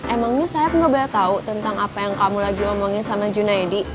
emangnya saeb enggak boleh tahu tentang apa yang kamu lagi ngomongin sama junaedi